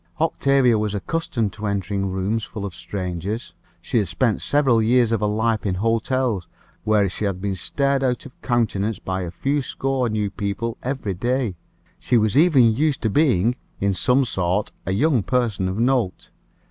Octavia was accustomed to entering rooms full of strangers. She had spent several years of her life in hotels, where she had been stared out of countenance by a few score new people every day. She was even used to being, in some sort, a young person of note.